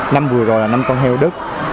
năm vừa rồi là năm con heo đất